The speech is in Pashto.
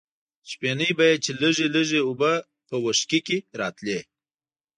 شپېنۍ به یې چې لږې لږې اوبه په وښکي کې راتلې.